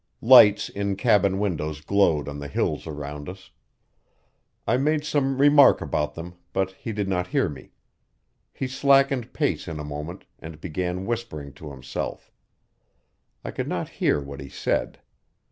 Lights in cabin windows glowed on the hills around us. I made some remark about them but he did not hear me. He slackened pace in a moment and began whispering to himself' I could not hear what he said.